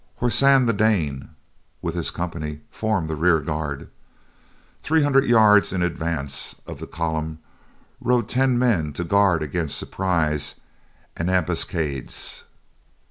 Horsan the Dane, with his company, formed the rear guard. Three hundred yards in advance of the column rode ten men to guard against surprise and ambuscades.